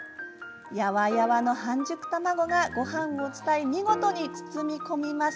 やわやわの半熟卵がごはんを伝い見事に包み込みます。